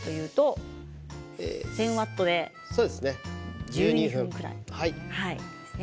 １０００ワットで１２分くらい焼きますね。